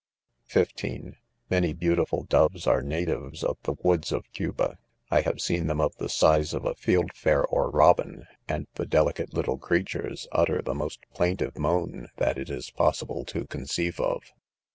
33 (15) Many beautiful doves are natives of the woods of Cuba. I have seen them of the size of a fieldfare or ro bin ; and the delicate little creatures utter the most plain tive moan that it is possible to conceive of.